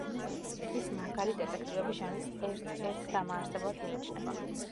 ის „მაგარი დეტექტივების“ ჟანრის ერთ-ერთ დამაარსებლად მიიჩნევა.